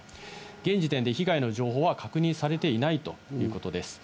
現時点で被害の情報は確認されていないということです。